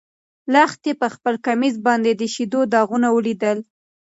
لښتې په خپل کمیس باندې د شيدو داغونه ولیدل.